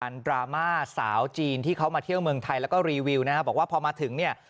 ดราม่าสาวจีนที่เขามาเที่ยวเมืองไทยแล้วก็รีวิวนะครับบอกว่าพอมาถึงเนี่ย